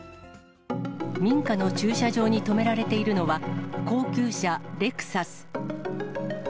民家の駐車場に止められているのは高級車、レクサス。